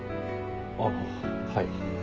ああはい。